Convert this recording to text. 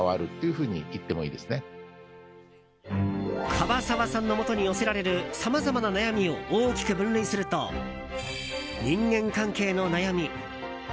樺沢さんのもとに寄せられるさまざまな悩みを大きく分類すると人間関係の悩み